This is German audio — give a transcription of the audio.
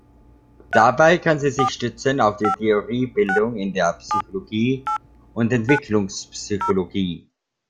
Dabei kann sie sich stützen auf die Theoriebildung in der Psychologie und Entwicklungspsychologie.